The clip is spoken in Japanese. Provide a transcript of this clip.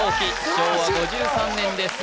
昭和５３年です